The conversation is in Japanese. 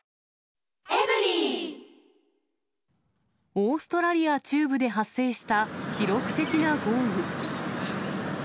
オーストラリア中部で発生した記録的な豪雨。